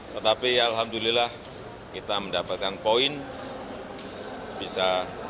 tetapi alhamdulillah kita mendapatkan poin bisa